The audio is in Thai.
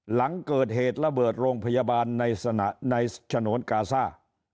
หลังเกิดเหตุระเบิดโรงพยาบาลในฉนวนกาซ่า